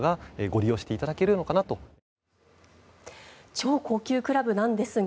超高級クラブなんですが